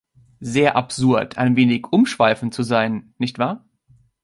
Sehr absurd, ein wenig umschweifend zu sein, nicht wahr?